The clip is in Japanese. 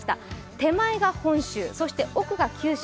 手前が本州、そして奥が九州。